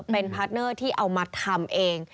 เป็นพาร์ทเนอร์ที่เอามาทำเอง